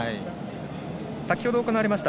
先ほど行われました